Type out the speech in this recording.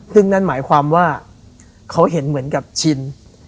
ซึ่งนั่นหมายความว่าเขาเห็นเหมือนกับชิน